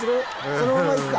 そのままいくか。